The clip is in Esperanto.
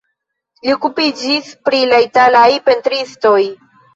Li okupiĝis pri la italaj pentristoj.